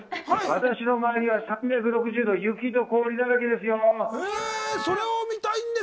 私の周りは３６０度、雪と氷だらけです。